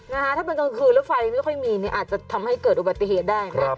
นะฮะถ้าเป็นกลางคืนแล้วไฟไม่ค่อยมีเนี่ยอาจจะทำให้เกิดอุบัติเหตุได้นะ